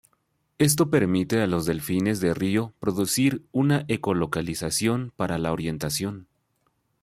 Esto permite a los delfines de río producir una eco-localización para la orientación.